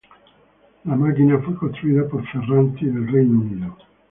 La máquina fue construida por Ferranti del Reino Unido.